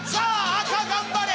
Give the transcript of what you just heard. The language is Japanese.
赤頑張れ！